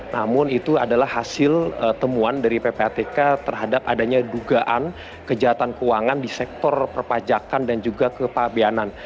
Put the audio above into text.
namun itu adalah hasil temuan dari ppatk terhadap adanya dugaan kejahatan keuangan di sektor perpajakan dan juga kepabianan